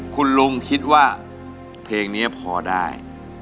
คุณลุงคิดว่าเพลงนี้พอได้